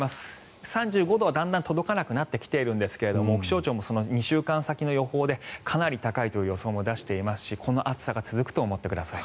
３５度はだんだん届かなくなってきているんですが気象庁も２週間先の予報でかなり高いという予想も出していますしこの暑さが続くと思ってください。